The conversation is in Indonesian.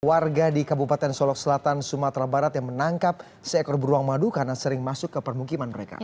warga di kabupaten solok selatan sumatera barat yang menangkap seekor beruang madu karena sering masuk ke permukiman mereka